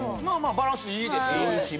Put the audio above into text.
まあまあバランスいいですよね。